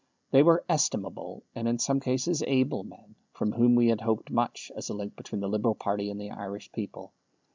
They were estimable, and, in some cases, able men, from whom we had hoped much, as a link between the Liberal party and the Irish people.